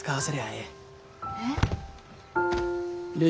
えっ！